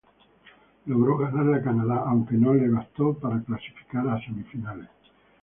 Logró ganarle a Canadá aunque no le bastó para clasificar a semifinales.